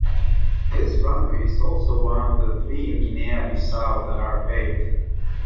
This runway is also one of the three in Guinea-Bissau that are paved.